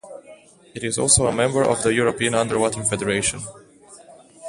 It is also a member of the European Underwater Federation.